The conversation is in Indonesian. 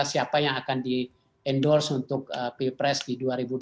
siapa yang akan di endorse untuk pilpres di dua ribu dua puluh